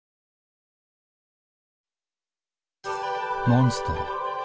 モンストロ。